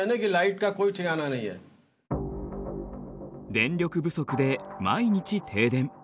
電力不足で毎日停電。